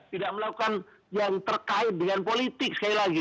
tidak melakukan yang terkait dengan politik sekali lagi